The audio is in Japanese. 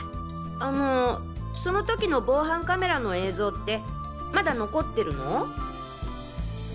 あのその時の防犯カメラの映像ってまだ残ってるの？